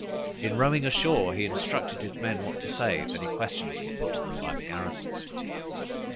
In rowing ashore, he instructed his men what to say if any questions were put to them by the garrison.